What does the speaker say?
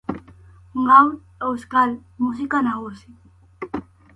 Gaur, euskal musika nagusi.